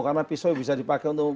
karena pisau bisa dipakai untuk